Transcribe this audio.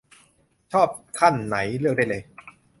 ชอบขั้นไหนเลือกได้เลย